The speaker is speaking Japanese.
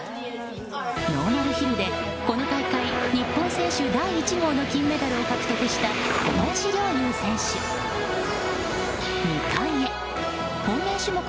ノーマルヒルでこの大会日本選手第１号の金メダルを獲得した小林陵侑選手。